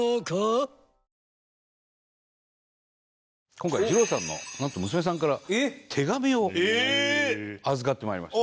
今回二郎さんのなんと娘さんから手紙を預かって参りました。